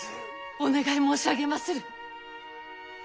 お願い申し上げまする！